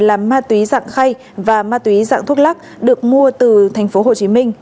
là ma túy dạng khay và ma túy dạng thuốc lắc được mua từ tp hồ chí minh